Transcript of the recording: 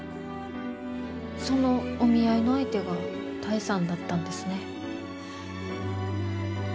そのお見合いの相手が多江さんだったんですね。